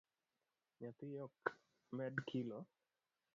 Nyathi ok med kilo?